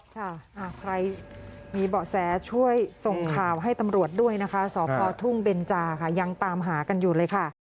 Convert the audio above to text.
ค่ะใครมีเบาะแสช่วยส่งข่าวให้ตำรวจด้วยนะคะสพทุ่งเบนจาค่ะยังตามหากันอยู่เลยค่ะ